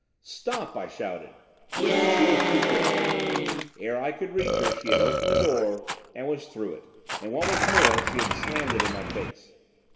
'Stop!' I shouted. But she was too quick for me. Ere I could reach her, she had opened the door, and was through it, and, what was more, she had slammed it in my face.